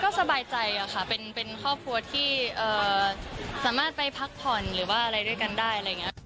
ก็สบายใจค่ะเป็นครอบครัวที่สามารถไปพักผ่อนหรือว่าอะไรด้วยกันได้อะไรอย่างนี้